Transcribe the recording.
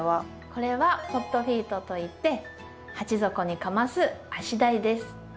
これはポットフィートといって鉢底にかます足台です。